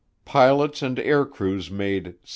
Pilots and air crews made 17.